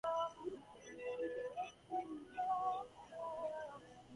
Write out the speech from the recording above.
The East Coast Bays Barracudas rugby league club is based in Browns Bay.